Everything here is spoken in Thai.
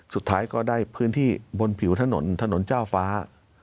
สุดท้ายก็ได้พื้นที่บนผิวถนนถนนเจ้าฟ้า